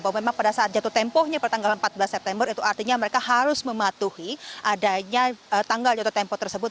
bahwa memang pada saat jatuh tempohnya pada tanggal empat belas september itu artinya mereka harus mematuhi adanya tanggal jatuh tempo tersebut